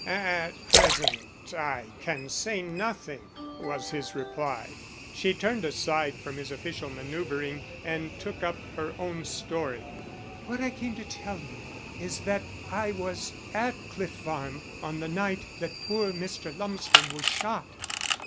"At present I can say nothing," was his reply. She turned aside from his official manoeuvring and took up her own story: "What I came to tell you is that I was at Cliff Farm on the night that poor Mr. Lumsden was shot."